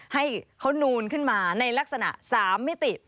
ให้เขานูนขึ้นมาในลักษณะ๓มิติ